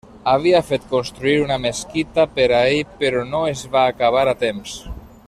Havia fet construir una mesquita per a ell però no es va acabar a temps.